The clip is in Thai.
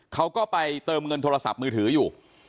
เขาก็ไปเติมเงินโทรศัพท์มือถืออยู่